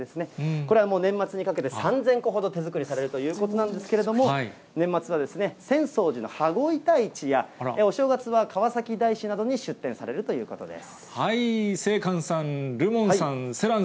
これはもう年末にかけて３０００個ほど手作りされるということなんですけれども、年末は浅草寺の羽子板市やお正月は川崎大師などに出店されるということです。